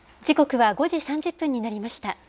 時刻は５時３０分になりました。